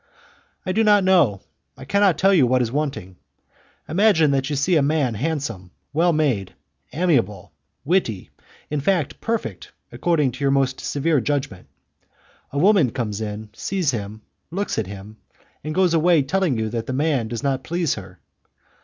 "I do not know. I cannot tell you what is wanting. Imagine that you see a man handsome, well made, amiable, witty in fact, perfect, according to your most severe judgment. A woman comes in, sees him, looks at him, and goes away telling you that the man does not please her.